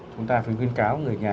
chúng ta phải khuyến cáo người nhà